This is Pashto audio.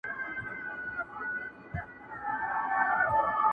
نوم يې کله کله په خبرو کي تکراريږي بې اختياره,